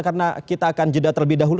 karena kita akan jeda terlebih dahulu